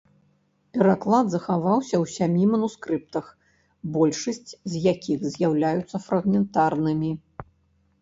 Пераклад захаваўся ў сямі манускрыптах, большасць з якіх з'яўляюцца фрагментарнымі.